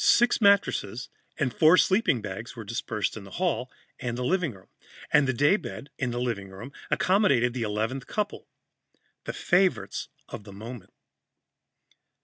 Six mattresses and four sleeping bags were dispersed in the hallway and living room, and the daybed, in the living room, accommodated the eleventh couple, the favorites of the moment.